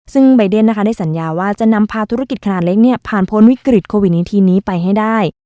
ซึ่งใบเดนนะคะได้สัญญาว่าจะนำพาธุรกิจขนาดเล็กผ่านพ้นวิกฤตโควิดในทีนี้ไปให้ได้